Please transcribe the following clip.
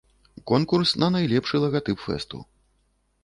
Конкурс на найлепшы лагатып фэсту.